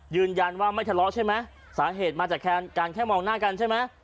ยืนยันว่าไม่ทะเลาะใช่ไหมสาเหตุมาจากการแค่มองหน้ากันใช่ไหม